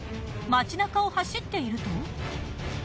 街なかを走っていると。